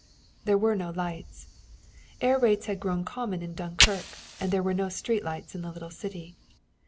There were no lights. Air raids had grown common in Dunkirk, and there were no street lights in the little city.